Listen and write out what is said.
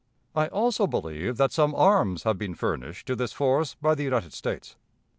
"I also believe that some arms have been furnished to this force by the United States.